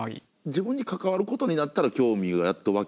自分に関わることになったら興味がやっと湧き出すのかね。